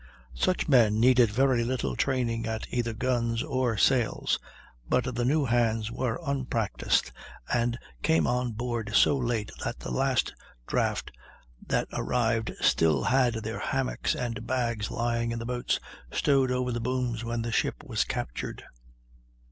Such men needed very little training at either guns or sails; but the new hands were unpractised, and came on board so late that the last draft that arrived still had their hammocks and bags lying in the boats stowed over the booms when the ship was captured.